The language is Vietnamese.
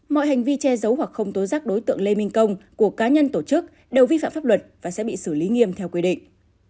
mọi hành vi che giấu hoặc không tố giác đối tượng lê minh công của cá nhân tổ chức đều vi phạm pháp luật và sẽ bị xử lý nghiêm theo quy định